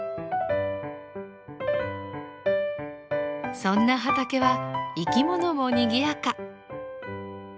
そんな畑は生き物もにぎやか。